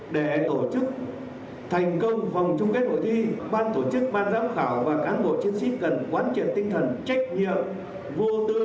để tổ chức thành công vòng chung kết hội thi ban tổ chức ban giám khảo và cán bộ chiến sĩ cần quán triển tinh thần trách nhiệm